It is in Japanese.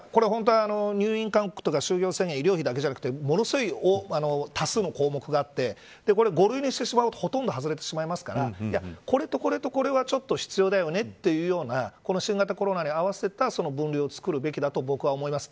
これ本当は入院費とか医療費とかそういうのじゃなくてもっと多数の項目があって５類にしてしまうとほとんど外れてしまいますからこれとこれとこれはちょっと必要だよね、というような新型コロナに合わせた分類を作るべきだと僕は思います。